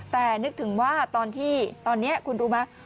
แต่นึกถึงว่าตอนที่ตอนนี้คุณรู้ไหม